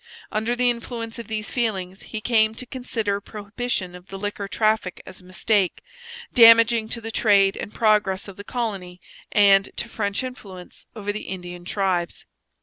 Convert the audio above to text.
Under the influence of these feelings he came to consider prohibition of the liquor traffic as a mistake, damaging to the trade and progress of the colony and to French influence over the Indian tribes.